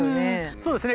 そうですね。